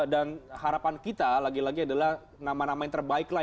dan harapan kita lagi lagi adalah nama nama yang terbaik lah